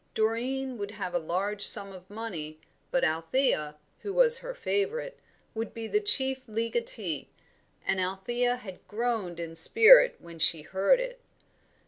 Doreen would have a large sum of money, but Althea, who was her favourite, would be the chief legatee, and Althea had groaned in spirit when she heard it.